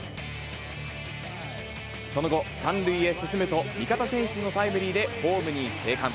その後、３塁へ進むと、味方選手のタイムリーでホームに生還。